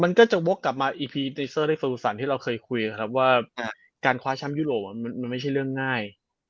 มันก็จะวกกลับมาอีพีเดเซอร์ในฟูสันที่เราเคยคุยครับว่าการคว้าแชมป์ยุโรปมันไม่ใช่เรื่องง่าย